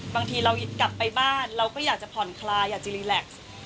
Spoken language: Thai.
บางทีเรากลับไปบ้านเราก็อยากจะผ่อนคลายอยากจะรีแล็กซ์